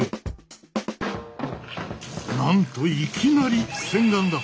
なんといきなり洗顔だ。